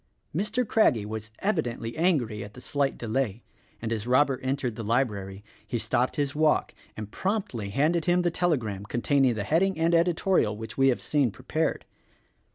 Mr. Craggie was evidently angry at the slight delay, and as Robert entered the library he stopped his walk and promptly handed him the telegram containing the heading and editorial which we have seen prepared.